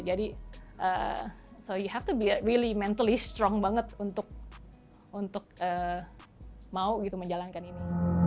jadi you have to be really mentally strong banget untuk mau gitu menjalankan ini